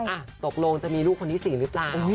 อ่ะตกลงจะมีลูกคนที่๔หรือเปล่า